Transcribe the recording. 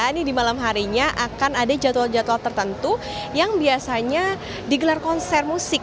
ini di malam harinya akan ada jadwal jadwal tertentu yang biasanya digelar konser musik